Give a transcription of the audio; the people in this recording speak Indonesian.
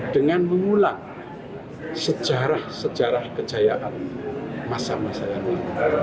dengan mengulang sejarah sejarah kejayaan masa masa yang lain